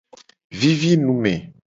Vivi nu me.